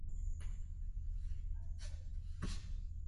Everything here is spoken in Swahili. Mimi alirudisha tabu kwangu na kwa familia yangu